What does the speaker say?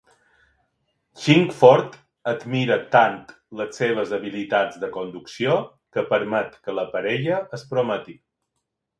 Chingford admira tant les seves habilitats de conducció que permet que la parella es prometi.